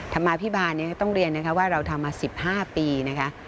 ธรรมาภิบาลต้องเรียนนะคะว่าเราทำมา๑๕ปีนะคะ